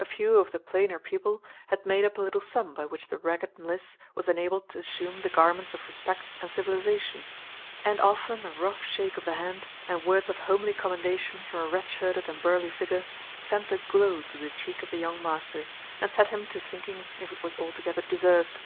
A few of the plainer people had made up a little sum by which the ragged Mliss was enabled to assume the garments of respect and civilization; and often a rough shake of the hand, and words of homely commendation from a red shirted and burly figure, sent a glow to the cheek of the young master, and set him to thinking if it was altogether deserved.